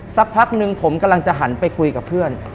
สักพักหนึ่งผมกำลังจะหันไปคุยกับเพื่อน